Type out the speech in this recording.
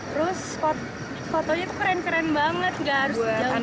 terus fotonya itu keren keren banget gak harus jauh jauh